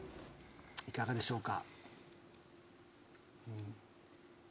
いかがでしょうか？